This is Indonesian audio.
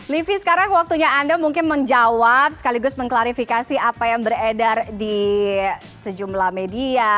livi sekarang waktunya anda mungkin menjawab sekaligus mengklarifikasi apa yang beredar di sejumlah media